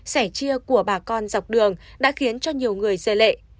sẻ chia của bà con dọc đường đã khiến cho nhiều người dơ lệ